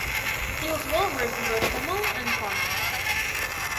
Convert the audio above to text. He was well versed in both Tamil and Sanskrit.